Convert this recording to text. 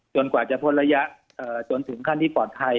กว่าจะพ่นระยะจนถึงขั้นที่ปลอดภัย